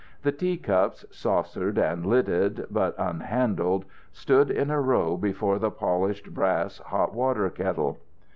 The tea cups, saucered and lidded, but unhandled, stood in a row before the polished brass hot water kettle.